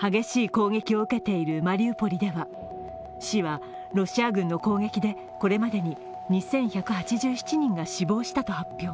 激しい攻撃を受けているマリウポリでは市はロシア軍の攻撃でこれまでに２１８７人が死亡したと発表。